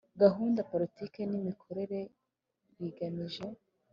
gahunda politiki n imikorere bigamije